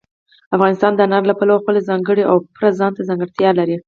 افغانستان د انارو له پلوه خپله ځانګړې او پوره ځانته ځانګړتیا لري.